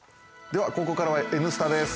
では、ここから「Ｎスタ」です。